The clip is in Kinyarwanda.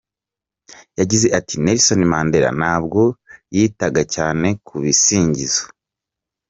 Yagize ati “Nelson Mandela ntabwo yitaga cyane ku bisingizo.